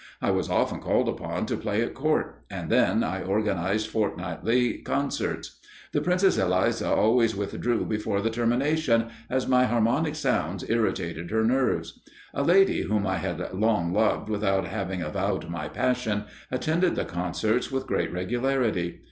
I was often called upon to play at Court: and then, I organised fortnightly concerts. The Princess Eliza always withdrew before the termination, as my harmonic sounds irritated her nerves. A lady, whom I had long loved without having avowed my passion, attended the concerts with great regularity.